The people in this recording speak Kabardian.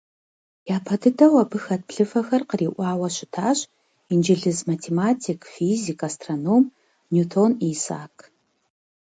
Япэ дыдэу абы хэт плъыфэхэр къриӏуауэ щытащ инджылыз математик, физик, астроном Ньютон Исаак.